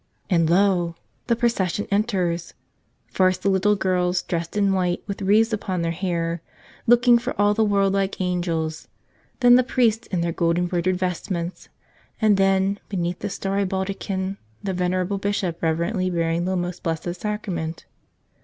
And lo! 89 " Tell Us Another /" the procession enters: first the little girls, dressed in white, with wreaths upon their hair, looking for all the world like angels; then the priests in their gold embroidered vestments; and then, beneath the starry baldachin, the venerable bishop reverently bearing the Most Blessed Sacrament.